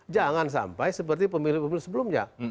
jangan sampai seperti pemilu pemilu sebelumnya